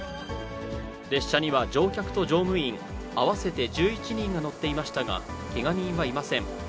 列車には乗客と乗務員合わせて１１人が乗っていましたが、けが人はいません。